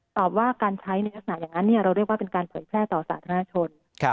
ตอบว่าการใช้ในลักษณะอย่างนั้นเราเรียกว่าเป็นการเผยแพร่ต่อสาธารณชน